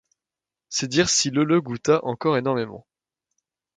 C’est dire si le le goûta encore énormément.